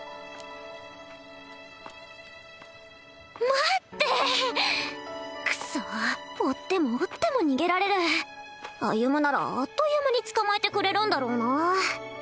待ってクッソ追っても追っても逃げられる歩ならあっという間に捕まえてくれるんだろうな